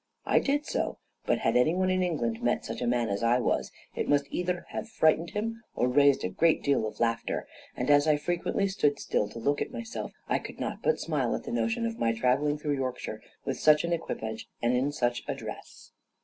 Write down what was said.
I did so; but had any one in England met such a man as I was, it must either have frightened him, or raised a great deal of laughter; and as I frequently stood still to look at myself, I could not but smile at the notion of my travelling through Yorkshire with such an equipage, and in such a dress.